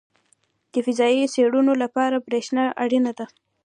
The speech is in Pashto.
• د فضایي څېړنو لپاره برېښنا اړینه ده.